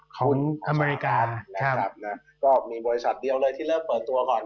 ของอเมริกานะครับนะก็มีบริษัทเดียวเลยที่เริ่มเปิดตัวก่อน